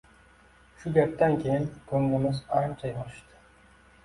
Shu gapdan keyin koʻnglimiz ancha yorishdi.